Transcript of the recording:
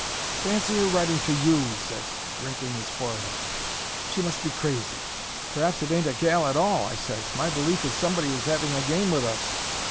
"Fancy 'er writing to you!" he ses, wrinkling 'is forehead. "Pph! She must be crazy." "P'r'aps it ain't a gal at all," I ses. "My belief is somebody is 'aving a game with us."